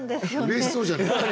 嬉しそうじゃない。